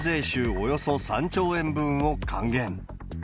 およそ３兆円分を還元。